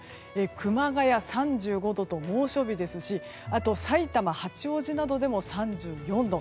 熊谷は３５度と猛暑日ですしさいたま、八王子などでも３４度。